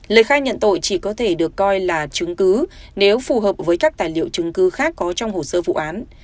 lời khai nhận tội chỉ có thể được coi là chứng cứ nếu phù hợp với các tài liệu chứng cứ khác có trong hồ sơ vụ án